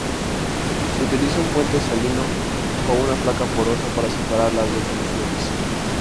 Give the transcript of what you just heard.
Se utiliza un puente salino o una placa porosa para separar las dos soluciones.